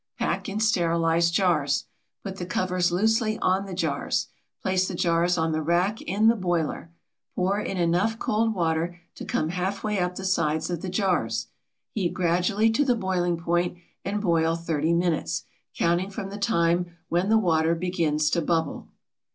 Pack in sterilized jars. Put the covers loosely on the jars. Place the jars on the rack in the boiler. Pour in enough cold water to come half way up the sides of the jars. Heat gradually to the boiling point and boil thirty minutes, counting from the time when the water begins to bubble.